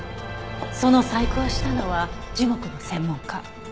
その細工をしたのは樹木の専門家。